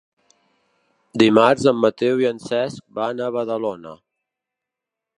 Dimarts en Mateu i en Cesc van a Badalona.